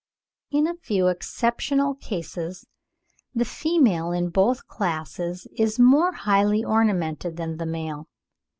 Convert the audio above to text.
In a few exceptional cases the female in both classes is more highly ornamented than the male.